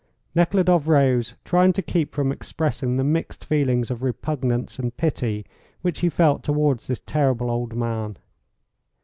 Nekhludoff rose, trying to keep from expressing the mixed feelings of repugnance and pity which he felt towards this terrible old man.